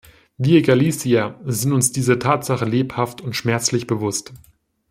Wir Galicier sind uns dieser Tatsache lebhaft und schmerzlich bewusst.